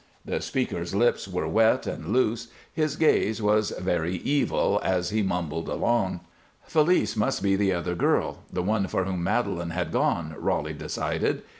The speaker's lips were wet and loose, his gaze was very evil as he mumbled along. Félice must be the other girl, the one for whom Madelon had gone, Roly decided.